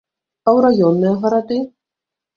А ў раённыя гарады?